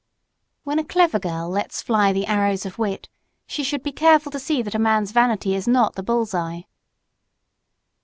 When a clever girl lets fly the arrows of wit she should be careful to see that a man's vanity is not the bull's eye.